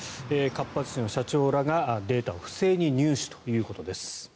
かっぱ寿司の社長らがデータを不正に入手ということです。